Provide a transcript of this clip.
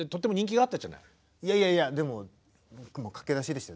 いやいやいやでも僕も駆け出しでしたよ。